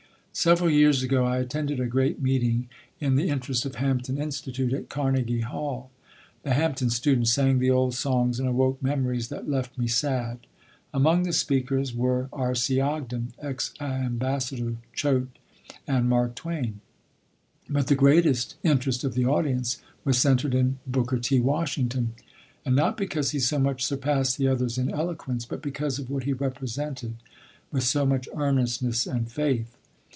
Several years ago I attended a great meeting in the interest of Hampton Institute at Carnegie Hall. The Hampton students sang the old songs and awoke memories that left me sad. Among the speakers were R.C. Ogden, ex Ambassador Choate, and Mark Twain; but the greatest interest of the audience was centered in Booker T. Washington, and not because he so much surpassed the others in eloquence, but because of what he represented with so much earnestness and faith.